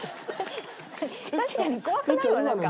確かに怖くなるわなんか。